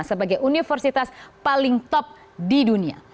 sebagai universitas paling top di dunia